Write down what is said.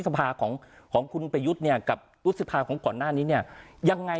สภาของคุณประยุทธ์เนี่ยกับสภาของข่อนหน้านี้เนี่ย